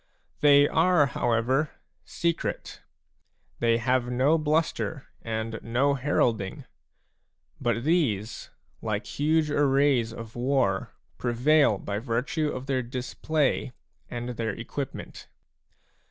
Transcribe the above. They are, however, secret ; they have no bluster and no heralding ; but these, like huge arrays of war, prevail by virtue of their display and their equipment.